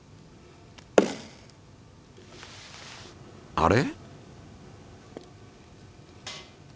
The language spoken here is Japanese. あれ？